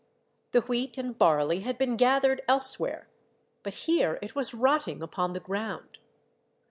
The wheat and barley had been gathered elsewhere, but here it was rotting upon the ground.